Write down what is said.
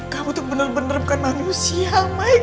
kamu tuh bener bener bukan manusia